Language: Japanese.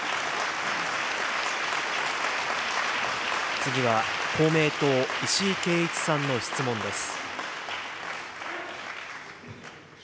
次は公明党、石井啓一さんの質問です。